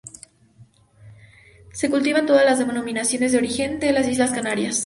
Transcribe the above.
Se cultiva en todas las denominaciones de origen de las Islas Canarias.